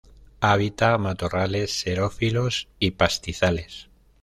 Habita matorrales xerófilos y pastizales.